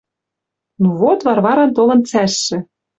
Ну, вот Варваран толын цӓшшӹ